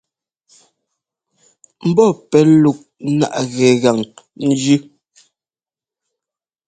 Mbɔ́ pɛ́ luk náʼ gɛgan njʉ.